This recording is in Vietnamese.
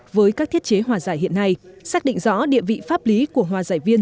với các thiết chế hòa giải hiện nay xác định rõ địa vị pháp lý của hòa giải viên